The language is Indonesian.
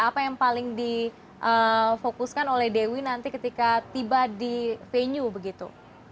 apa yang paling difokuskan oleh dewi nanti ketika tiba di venue begitu